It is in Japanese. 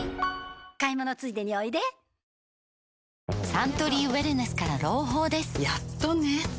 サントリーウエルネスから朗報ですやっとね